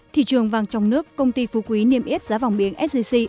thị trường vàng trong nước công ty phú quý niêm yết giá vàng miếng sgc